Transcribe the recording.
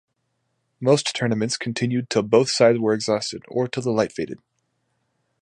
Most tournaments continued till both sides were exhausted, or till the light faded.